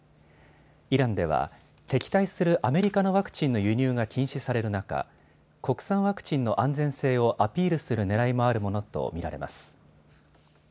イランでは敵対するアメリカのワクチンの輸入が禁止される中、国産ワクチンの安全性をアピールするねらいもあるものと見られます。